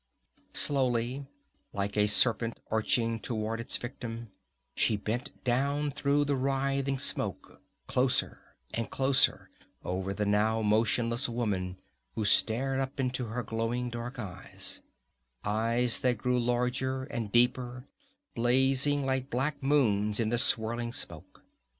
Slowly, like a serpent arching toward its victim, she bent down through the writhing smoke, closer and closer over the now motionless woman who stared up into her glowing dark eyes eyes that grew larger and deeper, blazing like black moons in the swirling smoke.